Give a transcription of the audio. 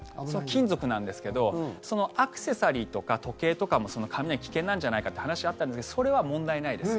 金属なんですけどそのアクセサリーとか時計とかも雷危険なんじゃないかって話あったんですけどえっ、そうなの？